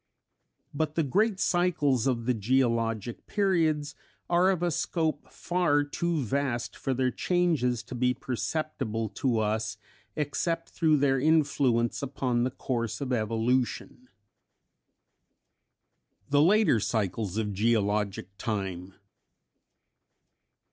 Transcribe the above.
But the great cycles of the geologic periods are of a scope far too vast for their changes to be perceptible to us except through their influence upon the course of evolution. _The Later Cycles of Geologic Time.